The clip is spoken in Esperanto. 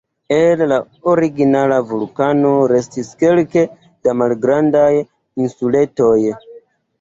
El la origina vulkano restis kelke da malgrandaj insuletoj.